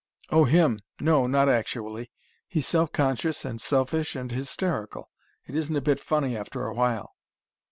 "Oh, him! no, not actually. He's self conscious and selfish and hysterical. It isn't a bit funny after a while."